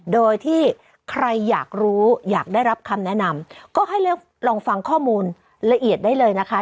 โดยที่ใครอยากรู้อยากได้รับคำแนะนำก็ให้เลือกลองฟังข้อมูลละเอียดได้เลยนะคะ